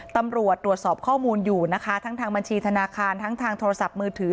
ตำรวจตรวจสอบข้อมูลอยู่นะคะทั้งทางบัญชีธนาคารทั้งทางโทรศัพท์มือถือ